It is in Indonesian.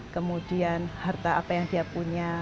kemudian harta apa yang dia punya